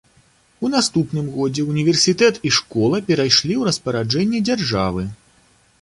У наступным годзе ўніверсітэт і школа перайшлі ў распараджэнне дзяржавы.